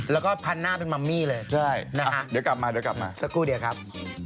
แล้วก็พันหน้าเป็นมัมมี่เลยนะฮะสักครู่เดี๋ยวครับ